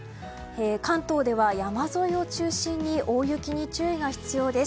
関東では山沿いを中心に大雪に注意が必要です。